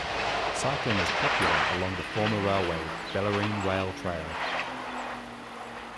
Cycling is popular along the former railway - Bellarine Rail Trail.